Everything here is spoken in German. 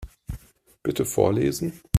Bitte vorlesen.